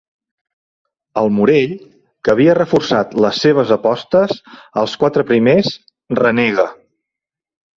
El Morell, que havia reforçat les seves apostes als quatre primers, renega.